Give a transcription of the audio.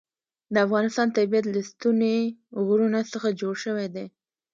د افغانستان طبیعت له ستوني غرونه څخه جوړ شوی دی.